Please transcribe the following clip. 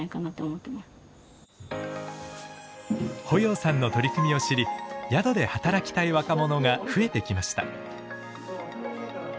保要さんの取り組みを知り宿で働きたい若者が増えてきました。